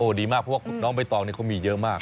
ดีมากเพราะว่าน้องใบตองนี่เขามีเยอะมาก